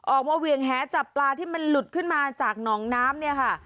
เวียงแหจับปลาที่มันหลุดขึ้นมาจากหนองน้ำเนี่ยค่ะ